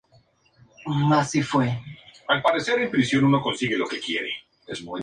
Hay dos formas de rabia: furiosa y paralítica.